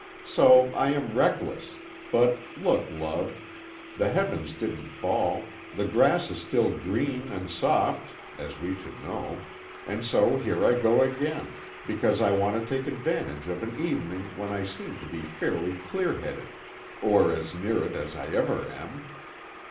So I am reckless, but look, love, the heavens didn't fall, the grass is still green and soft (as we should know) and so here I go again, because I want to take advantage of an evening when I seem to be fairly clear headed, or as near it as I ever am.